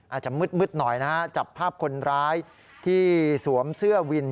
อาจจะมืดหน่อยนะฮะจับภาพคนร้ายที่สวมเสื้อวิน